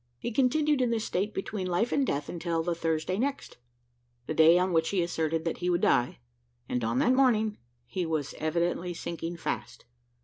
He continued in this state, between life and death, until the Thursday next, the day on which he asserted that he would die and, on that morning, he was evidently sinking fast.